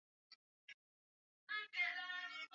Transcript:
Kulia kwako umuwekee yesu uta cheka kesho